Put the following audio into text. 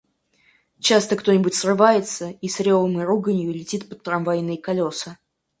Часто кто-нибудь срывается и с ревом и руганью летит под трамвайные колеса.